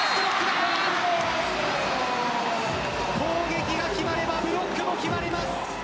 攻撃が決まればブロックも決まります。